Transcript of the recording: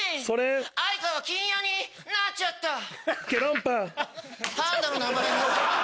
それ山田優になっちゃった